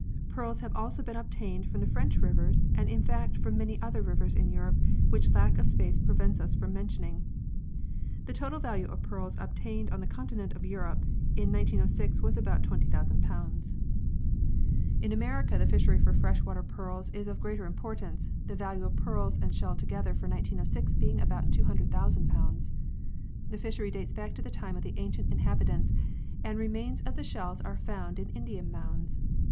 Pearls have also been obtained from the French rivers and in fact from many others in Europe which lack of space prevents us from mentioning. The total value of pearls obtained on the con tinent of Europe in 1906 was about 20,000. vii] PEARL FISHERIES OF OTHER LANDS 91 In America the fishery for fresh water pearls is of greater importance, the value of pearls and shell together for 190(5 being about 200,000. The fishery dates back to the time of the ancient inhabitants and remains of the shells are found in Indian mounds.